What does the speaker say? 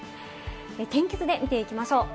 天気図で見ていきましょう。